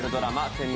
「潜入